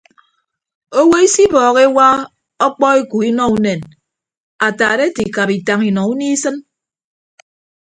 Owo isibọọhọ ewa okpọ eku inọ unen ataat ete ikap itañ inọ unie isịn.